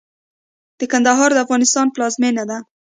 د کندهار د افغانستان پلازمېنه ده.